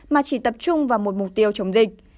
mà chỉ tập trung vào một mục tiêu chống dịch